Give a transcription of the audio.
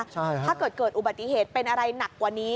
ถ้าเกิดเกิดอุบัติเหตุเป็นอะไรหนักกว่านี้